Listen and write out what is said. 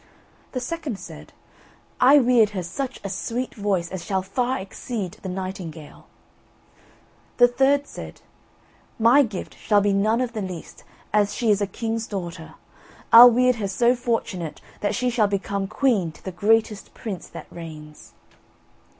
The second said: "I weird her such a sweet voice as shall far exceed the nightingale." The third said: "My gift shall be none of the least, as she is a king's daughter, I'll weird her so fortunate that she shall become queen to the greatest prince that reigns."